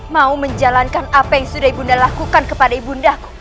mau menjalankan apa yang sudah ibu nda lakukan kepada ibu ndaku